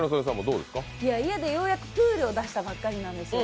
家でようやくプールを出したばっかりなんですよ。